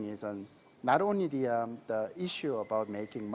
saya pikir kelebihan bukan hanya masalah membuat uang